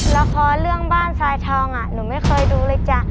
ละครเรื่องบ้านทรายทองหนูไม่เคยดูเลยจ้ะ